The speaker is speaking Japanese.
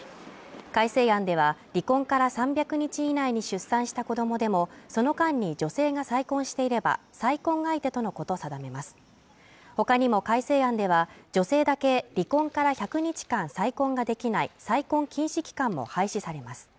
改正案では離婚から３００日以内に出産した子どもでもその間に女性が再婚していれば再婚相手とのこと定めますほかにも改正案では女性だけ離婚から１００日間再婚ができない再婚禁止期間も廃止されます